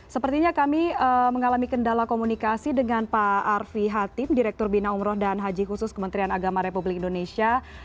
sepertinya kami mengalami kendala komunikasi dengan pak arfi hatim direktur bina umroh dan haji khusus kementerian agama republik indonesia